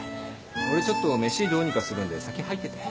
俺ちょっと飯どうにかするんで先入ってて。